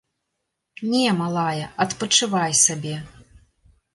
Не, малая, адпачывай сабе.